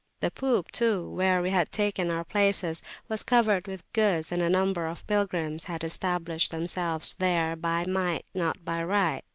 The poop, too, where we had taken our places, was covered with goods, and a number of pilgrims had established themselves there by might, not by right.